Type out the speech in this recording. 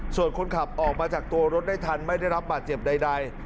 ส่วนคนขับออกมาจากตัวรถได้ทันไม่ได้รับบาดเจ็บใด